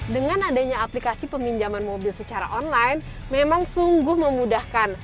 dengan adanya aplikasi peminjaman mobil secara online memang sungguh memudahkan